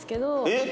えっ！？